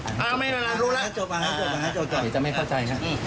เอาเลยรู้แล้วจะไม่เข้าใจนะอยู่โต๊ะนะครับถ่ายรูปมานะ